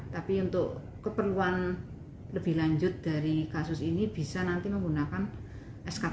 tapi untuk keperluan lebih lanjut dari kasus ini bisa nanti menggunakan sktp